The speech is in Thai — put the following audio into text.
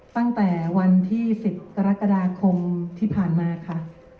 ตั้งแต่วันที่๑๐กรกฎาคมที่ผ่านมาค่ะ